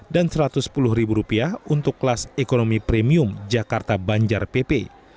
dan rp satu ratus sepuluh untuk kelas ekonomi premium jakarta banjar pp